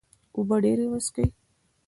اوبه ډیرې وڅښئ